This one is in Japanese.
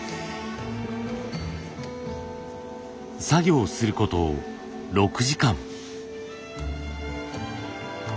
作業すること６時間。